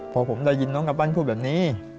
พอผมได้ยินน้องกัปปั้นพูดแบบนี้